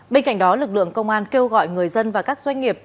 bên cạnh đó lực lượng công an kêu gọi người dân và các doanh nghiệp